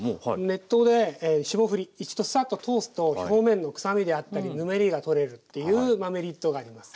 熱湯で霜降り一度サッと通すと表面のくさみであったりぬめりが取れるっていうメリットがあります。